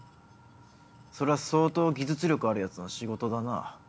それは相当技術力あるヤツの仕事だな。